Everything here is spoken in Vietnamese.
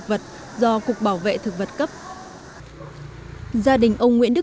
bạn cần giải quyết họ